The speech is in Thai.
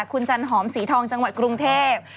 คุณจันหอมสีทองจังหวัดกรุงเทพ